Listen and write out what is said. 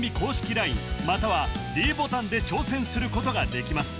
ＬＩＮＥまたはｄボタンで挑戦することができます